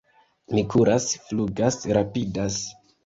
Mi kuras, flugas, rapidas!